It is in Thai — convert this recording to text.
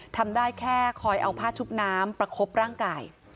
ทำได้แค่คอยเอาผ้าชุบน้ำประคบร่างกาย